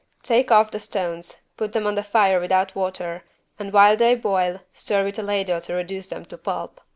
Take off the stones, put them on the fire without water and while they boil, stir with a ladle to reduce them to pulp.